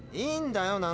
いいんだよ